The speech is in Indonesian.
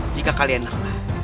jika kalian lelah